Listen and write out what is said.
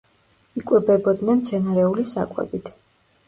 იკვებებოდნენ მცენარეული საკვებით.